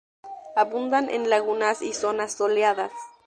Abundan en lagunas y zonas soleadas.